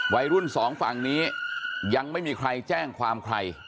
วัยรุ่นสองฝั่งนี้ยังไม่มีใครแจ้งความใคร